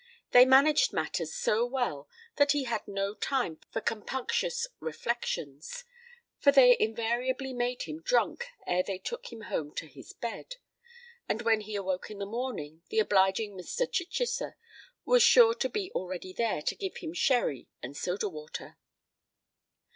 They managed matters so well that he had no time for compunctious reflections; for they invariably made him drunk ere they took him home to his bed; and when he awoke in the morning, the obliging Mr. Chichester was sure to be already there to give him sherry and soda water.